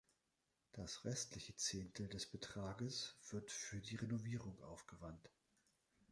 Das restliche Zehntel des Betrages wird für die Renovierung aufgewandt.